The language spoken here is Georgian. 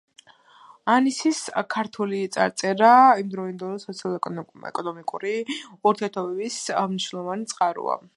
ანისის ქართული წარწერა იმდროინდელი სოციალურ-ეკონომიკური ურთიერთობის მნიშვნელოვანი წყაროა.